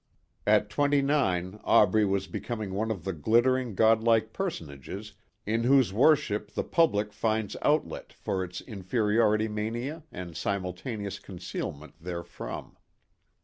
At twenty nine Aubrey was becoming one of the glittering God like personages in whose worship the public finds outlet for its inferiority mania and simultaneous concealment therefrom.